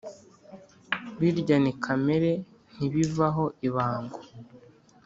birya ni kamere ntibivaho ibango